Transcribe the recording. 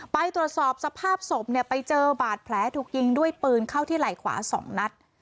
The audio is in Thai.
ไปตรวจสอบสภาพศพเนี่ยไปเจอบาดแผลถูกยิงด้วยปืนเข้าที่ไหล่ขวา๒นัด